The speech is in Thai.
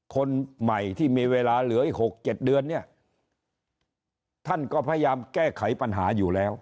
คนใหม่ที่มีเวลาเหลืออีก๖๗เดือนเนี่ยท่านก็พยายามแก้ไขปัญหาอยู่แล้ว